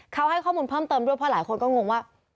เขาให้ข้อมูลเพิ่มเติมด้วยเพราะหลายคนก็งงว่า